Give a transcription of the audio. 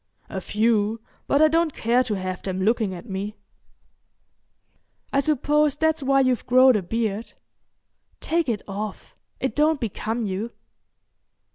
"A few, but I don't care to have them looking at me." "I suppose that's why you've growed a beard. Take it off, it don't become you."